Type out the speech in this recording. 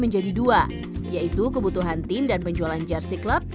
sekarang pengembang kita disediakan kirim cerah babi